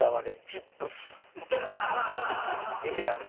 ええやんな？